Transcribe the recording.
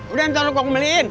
udah entar lu kok gue beliin